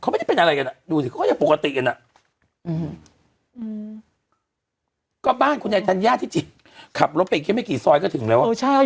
เขาไม่ได้เป็นอะไรกันนะดูสิเขาก็อธิชย์ปกติ